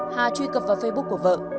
hà truy cập vào facebook của vợ